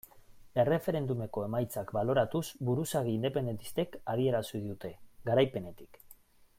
Erreferendumeko emaitzak baloratuz buruzagi independentistek adierazi dute, garaipenetik.